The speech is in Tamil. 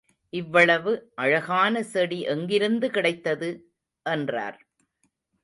இவ்வளவு அழகான செடி எங்கிருந்து கிடைத்தது? என்றார்.